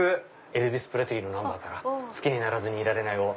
エルヴィス・プレスリーのナンバーから『好きにならずにいられない』を。